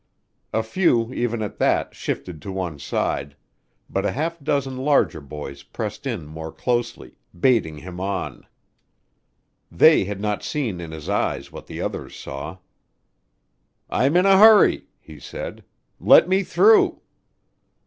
A few, even at that, shifted to one side, but a half dozen larger boys pressed in more closely, baiting him on. They had not seen in his eyes what the others saw. "I'm in a hurry," he said. "Let me through."